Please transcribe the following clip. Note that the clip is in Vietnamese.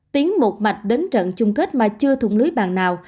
tiến một mạch đến trận chung kết mà chưa thụng lưới bàn nào